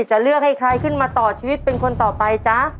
จะเลือกให้ใครขึ้นมาต่อชีวิตเป็นคนต่อไปจ๊ะ